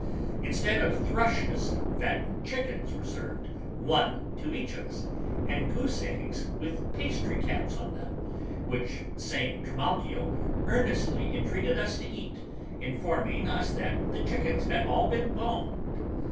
Instead of thrushes, fattened chickens were served, one to each of us, and goose eggs with pastry caps on them, which same Trimalchio earnestly entreated us to eat, informing us that the chickens had all been boned.